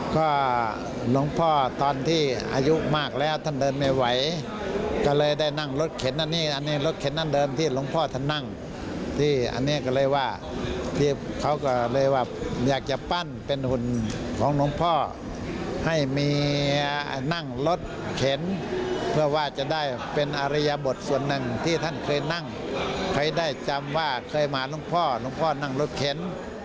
ก็หลวงพ่อตอนที่อายุมากแล้วท่านเดินไม่ไหวก็เลยได้นั่งรถเข็นอันนี้อันนี้รถเข็นนั่นเดินที่หลวงพ่อท่านนั่งที่อันนี้ก็เลยว่าที่เขาก็เลยว่าอยากจะปั้นเป็นหุ่นของหลวงพ่อให้เมียนั่งรถเข็นเพื่อว่าจะได้เป็นอาริยบทส่วนหนึ่งที่ท่านเคยนั่งใครได้จำว่าเคยมาหลวงพ่อหลวงพ่อนั่งรถเข็น